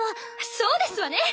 そうですわね！